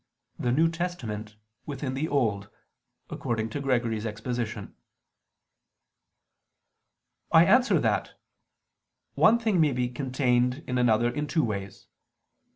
"the New Testament within the Old," according to Gregory's exposition. I answer that, One thing may be contained in another in two ways.